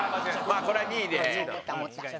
これは２位で。